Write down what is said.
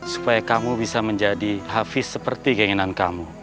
supaya kamu bisa menjadi hafiz seperti keinginan kamu